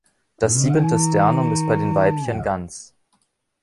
Das siebente Sternum ist bei den Weibchen ganz.